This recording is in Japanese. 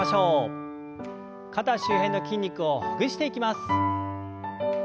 肩周辺の筋肉をほぐしていきます。